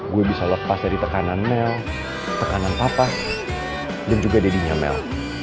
gue bisa lepas dari tekanan mel tekanan papa dan juga deddy nya mel